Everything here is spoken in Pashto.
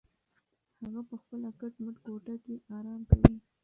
هغه په خپله کټ مټ کوټه کې ارام کوي.